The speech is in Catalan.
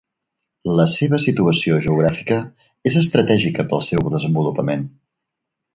La seva situació geogràfica és estratègica pel seu desenvolupament.